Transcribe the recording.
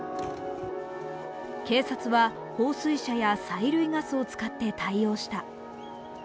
警察は放水車や催涙ガスを使って対応した。